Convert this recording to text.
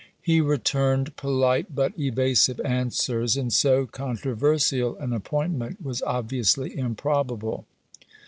He returned polite but evasive answers, and so controversial an appointment was obviously improbable.